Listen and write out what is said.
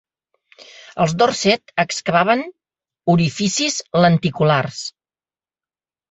Els Dorset excavaven orificis lenticulars.